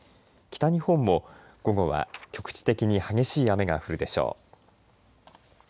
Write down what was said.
北日本も午後は局地的に激しい雨が降るでしょう。